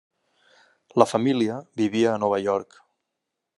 La família vivia a Nova York.